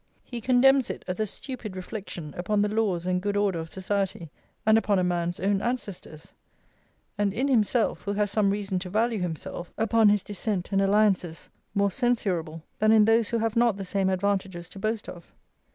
He condemns it as a stupid reflection upon the laws and good order of society, and upon a man's own ancestors: and in himself, who has some reason to value himself upon his descent and alliances, more censurable, than in those who have not the same advantages to boast of.